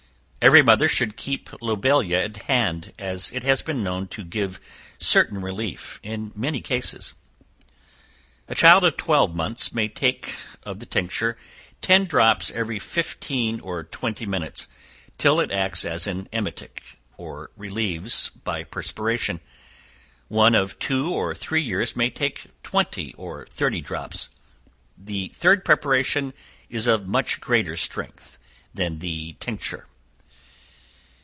Every mother should keep lobelia at hand, as it has been known to give certain relief in many cases. A child of twelve months, may take of the tincture ten drops every fifteen or twenty minutes, till it acts as an emetic, or relieves by perspiration; one of two or three years may take twenty or thirty drops. The third preparation is of much greater strength than the tincture.